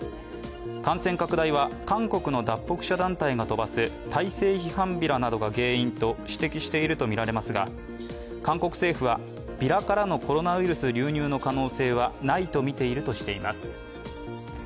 感染拡大は韓国の脱北者団体が飛ばす体制批判ビラなどが原因と指摘しているとみられますが、韓国政府は、ビラからのコロナウイルス流入の可能性はないとみているとしています。